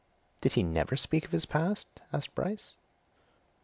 "Did he never speak of his past?" asked Bryce.